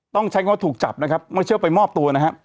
ต้องใช้คำว่าถูกจับนะครับไม่เชื่อไปมอบตัวนะฮะ